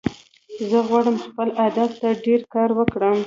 زه غواړم خپل هدف ته ډیر کار وکړم